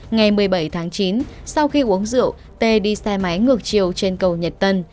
ngày một mươi bảy tháng chín sau khi uống rượu tê đi xe máy ngược chiều trên cầu nhật tân